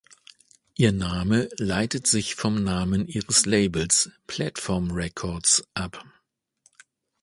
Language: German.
Ihr Name leitet sich vom Namen ihres Labels „Plattform Records“ ab.